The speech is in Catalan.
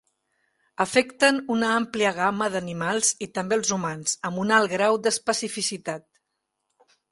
Afecten una àmplia gamma d'animals, i també els humans, amb un alt grau d'especificitat.